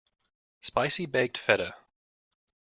Spicy baked feta.